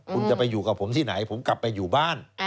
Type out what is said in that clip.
คุณจะไปอยู่กับผมที่ไหนผมกลับไปอยู่บ้าน